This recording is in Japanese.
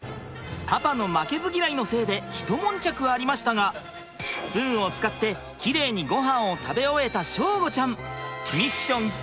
パパの負けずギライのせいでひともんちゃくありましたがスプーンを使ってきれいにごはんを食べ終えた祥吾ちゃん。